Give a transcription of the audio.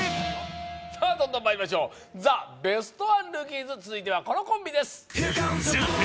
さあどんどんまいりましょうザ・ベストワンルーキーズ続いてはこのコンビです